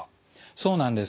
そうなんです。